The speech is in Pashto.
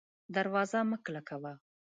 دروازه مه کلکه وه